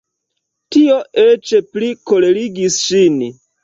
Tio eĉ pli kolerigis ŝin.